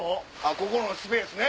ここのスペースね。